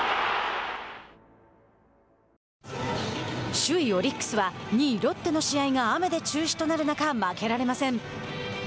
首位オリックスは２位ロッテの試合が雨で中止となる中負けられません。